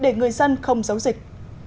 cho người dân không giấu dịch